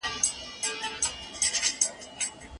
ډاکټره د لوړ ږغ سره پاڼه نه ده ړنګه کړې.